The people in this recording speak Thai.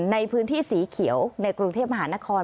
ในพื้นที่สีเขียวในกรุงเทพมหานคร